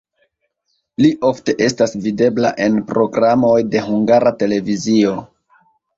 Li ofte estas videbla en programoj de Hungara Televizio.